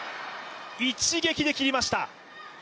一撃で切りました。